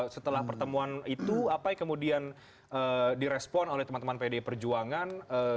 setelah pertemuan itu apai kemudian di respon oleh teman teman pdi perjuangan